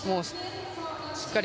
しっかり